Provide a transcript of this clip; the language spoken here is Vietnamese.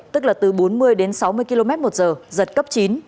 tức là từ bốn mươi đến sáu mươi km một giờ giật cấp chín